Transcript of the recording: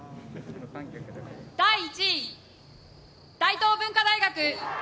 第１位、大東文化大学。